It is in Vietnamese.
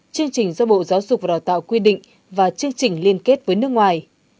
chương trình do bộ giáo dục và đào tạo quy định và chương trình liên kết với nước ngoài